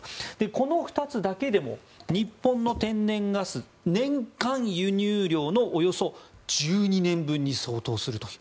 この２つだけでも日本の天然ガス年間輸入量のおよそ１２年分に相当するという。